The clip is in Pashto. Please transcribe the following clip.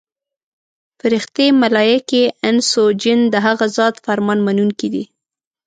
فرښتې، ملایکې، انس او جن د هغه ذات فرمان منونکي دي.